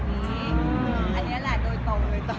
นี้แหละโดยโต